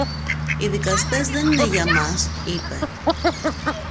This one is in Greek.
Οι δικαστές δεν είναι για μας, είπε.